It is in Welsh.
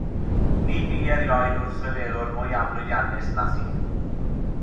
Ni bu erioed wrthryfelwr mwy aflwyddiannus na thi.